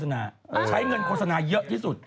เม็ด